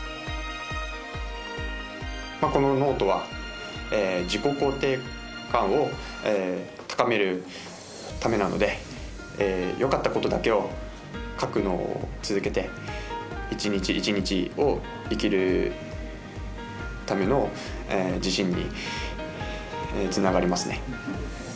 このノートは自己肯定感を高めるためなのでよかったことだけを書くのを続けて１日１日を生きるための自信につながりますね。